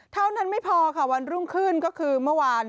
เท่านั้นไม่พอค่ะวันรุ่งขึ้นก็คือเมื่อวาน